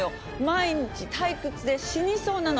毎日退屈で死にそうなの！